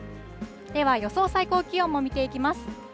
では、予想最高気温も見ていきます。